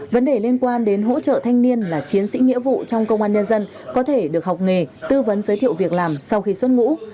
vấn đề liên quan đến hỗ trợ thanh niên là chiến sĩ nghĩa vụ trong công an nhân dân có thể được học nghề tư vấn giới thiệu việc làm sau khi xuất ngũ